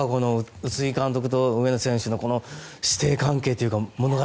宇津木監督と上野選手の師弟関係というか物語。